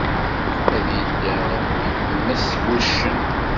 Ad yedder yemmet wuccen.